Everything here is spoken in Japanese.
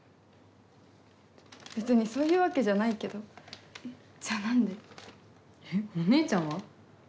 別にそういうわけじゃないけどえっじゃあ何でえっお姉ちゃんは？